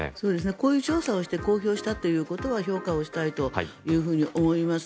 こういう調査をして公表したということは評価をしたいと思います。